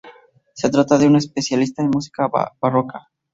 Se trata de una especialista en música barroca.